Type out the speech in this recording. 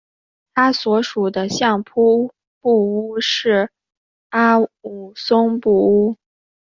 他所属的相扑部屋是阿武松部屋。